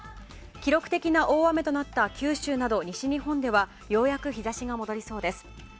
記録的な大雨となった九州など西日本ではようやく日差しが戻りそうです。